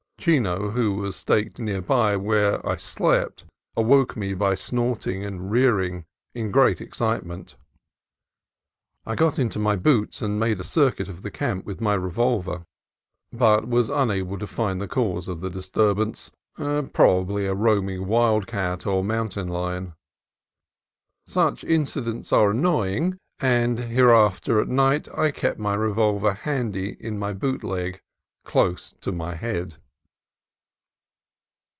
Chino, who was staked near by where I slept, awoke me by snorting and rearing in great excitement. I got into my boots and made a circuit of the camp with my revolver, 72 CALIFORNIA COAST TRAILS but was unable to find the cause of the disturbance — probably a roaming wild cat or mountain lion. Such incidents are annoying, and thereafter at night I kept my revolver handy in my boot leg, close to my head.